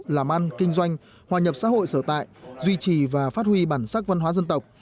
làm ăn kinh doanh hòa nhập xã hội sở tại duy trì và phát huy bản sắc văn hóa dân tộc